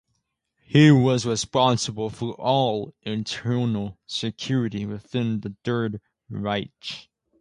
He was responsible for all internal security within the Third Reich.